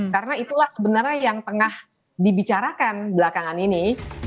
karena itulah sebenarnya yang tengah dibicarakan belakangan ini